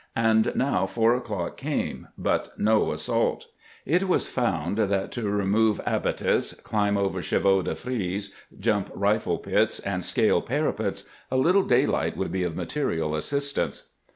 And now four o'clock came, but no assault. It was found that to remove abatis, climb over chevaux de frise, jump rifle pits, and scale parapets, a little daylight would be of material assistance.